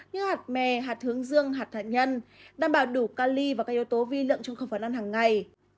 như hạt mè hạt hướng dương hạt hạt nhân đảm bảo đủ ca ly và các yếu tố vi lượng trong khẩu phẩm ăn hằng ngày